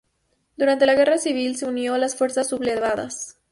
Durante la Guerra civil se unió a las fuerzas sublevadas.